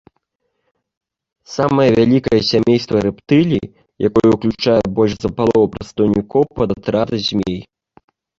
Самае вялікае сямейства рэптылій, якое ўключае больш за палову прадстаўнікоў падатрада змей.